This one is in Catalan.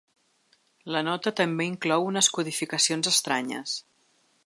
La nota també inclou unes codificacions estranyes.